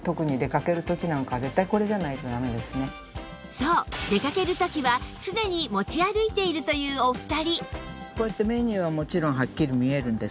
そう出かける時は常に持ち歩いているというお二人